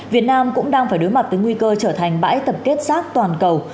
việt nam cũng đang phải đối mặt với nguy cơ trở thành bãi tập kết rác toàn cầu